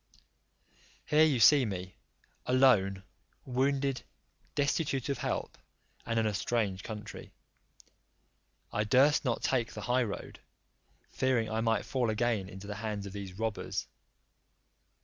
Here you see me, alone, wounded, destitute of help, and in a strange country. I durst not take the high road, fearing I might fall again into the hands of these robbers.